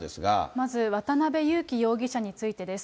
まず渡辺優樹容疑者についてです。